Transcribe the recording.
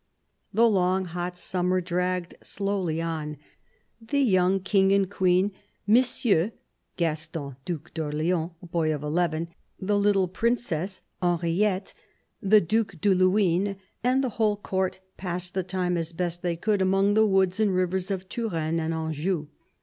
The long hot summer dragged slowly on. The young King and Queen, Monsieur (Gaston, Due d'Orleans, a boy of eleven), the little Princess Henriette, the Due de Luynes and the whole Court, passed the time as best they could among the woods and rivers of Touraine and Anjou.